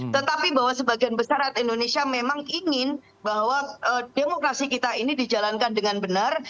tetapi bahwa sebagian besar rakyat indonesia memang ingin bahwa demokrasi kita ini dijalankan dengan benar